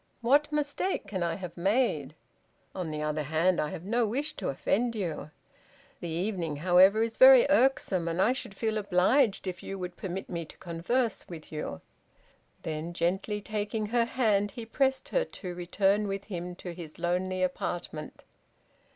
"What mistake can I have made? On the other hand, I have no wish to offend you. The evening, however, is very irksome, and I should feel obliged if you would permit me to converse with you." Then gently taking her hand he pressed her to return with him to his lonely apartment.